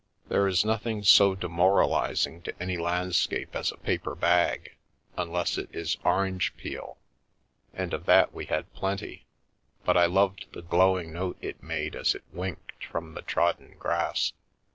There is nothing s< demoralising to any landscape as a paper bag, unless i no The Call to Anns is orange peel, and of that we had plenty, but I loved the glowing note it made as it winked from the trodden grass.